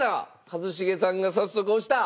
一茂さんが早速押した！